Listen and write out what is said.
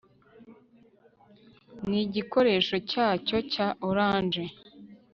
nigikoresho cyacyo cya orange